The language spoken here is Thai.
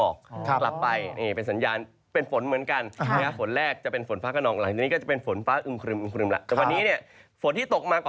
กลับมาเป็นฝนฟ้าค้านองขากลับจะเป็นหมอก